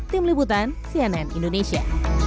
tim liputan cnn indonesia